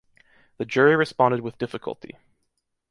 The jury responded with difficulty.